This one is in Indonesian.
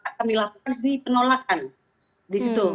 tapi kalau bapak tidak terima kami bisa lakukan penolakan